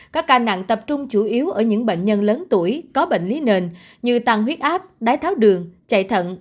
các ca nặng tập trung chủ yếu ở những bệnh nhân lớn tuổi có bệnh lý nền như tăng huyết áp đái tháo đường chạy thận